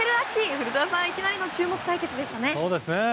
古田さん、いきなりの注目対決でしたね。